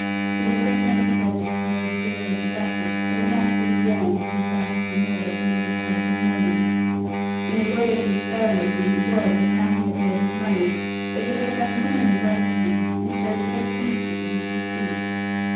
He had taken up his purchase from old Sir Roger Bassett of a nice bit of land, to the south of the moors, and in the parish of Molland. When the lawyers knew thoroughly who he was, and how he had made his money, they behaved uncommonly well to him, and showed great sympathy with his pursuits.